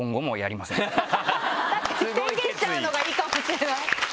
確かに宣言しちゃうのがいいかもしれない。